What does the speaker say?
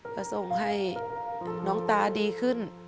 ก็ส่งให้น้องตาดีขึ้น